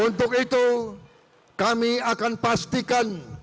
untuk itu kami akan pastikan